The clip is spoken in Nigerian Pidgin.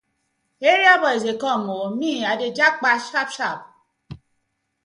Area boys dey com ooo, me I dey jappa sharp sharp.